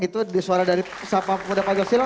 itu suara dari sabang pemimpin pancasila